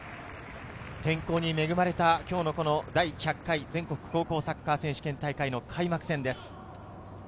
天候に恵まれた第１００回全国高校サッカー選手権大会の開幕戦です。